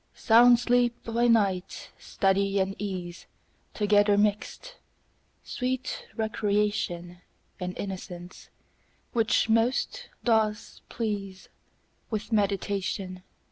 Sound sleep by night; study and ease Together mixed; sweet recreation, And innocence, which most does please With meditation.